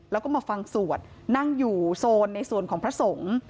แล้วก็มาฟังสวดนั่งอยู่โซนในส่วนของพระสงฆ์